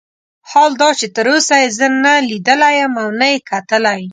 حال دا چې تر اوسه یې زه نه لیدلی یم او نه یې کتلی.